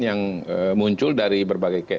yang muncul dari berbagai